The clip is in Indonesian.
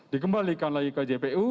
dikembalikan lagi ke jpu